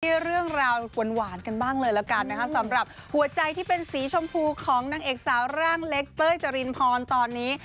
เรื่องราวหวานกันบ้างเลยละกันนะคะสำหรับหัวใจที่เป็นสีชมพูของนางเอกสาวร่างเล็กเต้ยจรินพรตอนนี้